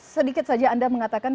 sedikit saja anda mengatakan